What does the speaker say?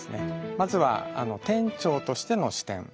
まずは店長としての視点。